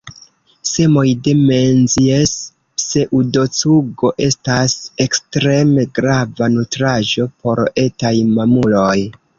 Semoj de Menzies-pseŭdocugo estas ekstreme grava nutraĵo por etaj mamuloj.